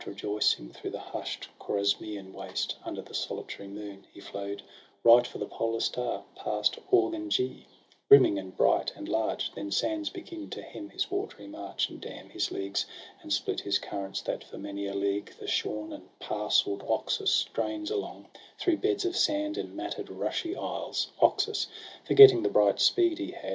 Rejoicing, through the hush'd Chorasmian waste. Under the solitary moon; — he flow'd Right for the polar star, past Orgunje, Brimming, and bright, and large; then sands begin To hem his watery march, and dam his streams, And split his currents; that for many a league The shorn and parcell'd Oxus strains along Through beds of sand and matted rushy isles — Oxus, forgetting the bright speed he had 122 SOHRAB AND RUSTUM.